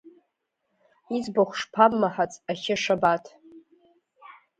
Иӡбахә шԥабмаҳац, Ахьы Шабаҭ?